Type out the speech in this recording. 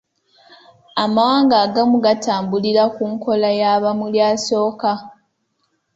Amawanga agamu gatambulira ku nkola ya bamulya-asooka.